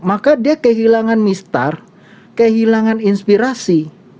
maka dia kehilangan mistar kehilangan inspirasi